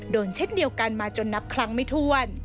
เช่นเดียวกันมาจนนับครั้งไม่ถ้วน